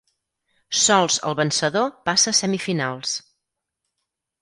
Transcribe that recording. Sols el vencedor passa a semifinals.